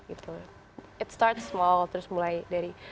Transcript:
itu mulai kecil